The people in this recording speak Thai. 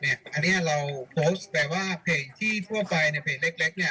อันนี้เอาโพสแบบว่าเพจทั่วไปละกลาย